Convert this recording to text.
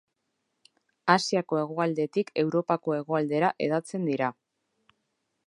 Asiako hegoaldetik Europako hegoaldera hedatzen dira.